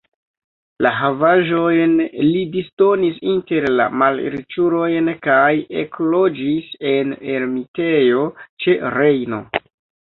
La havaĵojn li disdonis inter la malriĉulojn kaj ekloĝis en ermitejo ĉe Rejno.